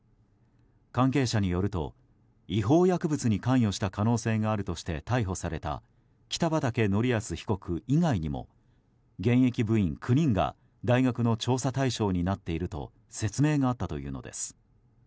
関係者によると、違法薬物に関与した可能性があるとして逮捕された北畠成文被告以外にも現役部員９人が大学の調査対象になっていると説明があったというのです。